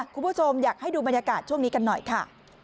คุณผู้ชมอยากให้ดูบรรยากาศช่วงนี้กันหน่อยค่ะ